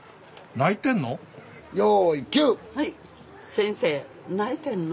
「先生泣いてんの？」。